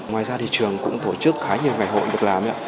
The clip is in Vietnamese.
ngoài ra thì trường cũng tổ chức khá nhiều ngày hội được làm